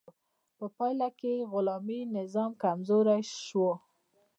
په پایله کې د غلامي نظام کمزوری شو.